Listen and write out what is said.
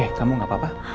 oke kamu gak apa apa